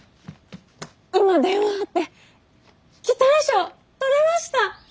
今電話あって期待賞取れました！